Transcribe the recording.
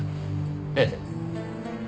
ええ。